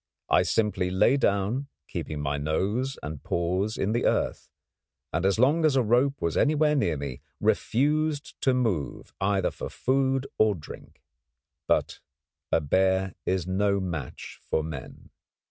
I simply lay down, keeping my nose and paws in the earth, and, as long as a rope was anywhere near me, refused to move either for food or drink. But a bear is no match for men.